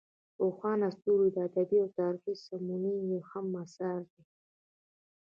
روښان ستوري ادبي او تاریخي سمونې یې هم اثار دي.